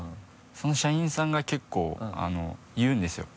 その社員さんが結構言うんですよ。